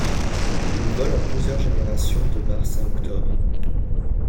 Il vole en plusieurs générations de mars à octobre.